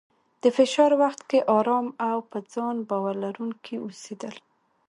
د فشار وخت کې ارام او په ځان باور لرونکی اوسېدل،